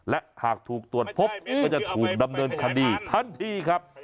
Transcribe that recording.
และหากถูกตรวจพบก็จะถูกดำเนินคดีทันทีครับ